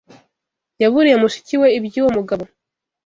Yaburiye mushiki we iby'uwo mugabo.